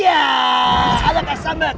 ada kak sambet